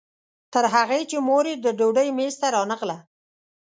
تر هغې چې مور یې د ډوډۍ میز ته رانغله.